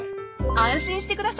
［安心してください］